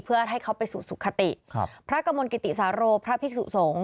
เพื่อให้เขาไปสู่สุขติครับพระกมลกิติสาโรพระภิกษุสงฆ